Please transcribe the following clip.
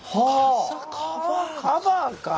カバーか！